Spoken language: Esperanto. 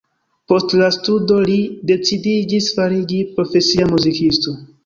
Post la studo li decidiĝis fariĝi profesia muzikisto.